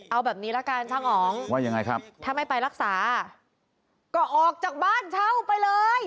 เอาแบบนี้ละกันช่างอ๋องว่ายังไงครับถ้าไม่ไปรักษาก็ออกจากบ้านเช่าไปเลย